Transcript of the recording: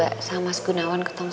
adversitas dengan laki laki ini